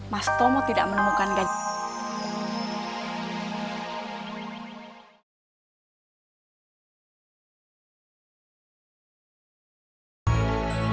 mas tomo tidak menemukan g profund